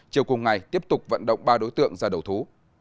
chiều cùng ngày tiếp tục vận động ba đối tượng ra đầu thú